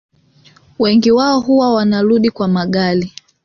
Wengi wao huwa wanarudi kwa magari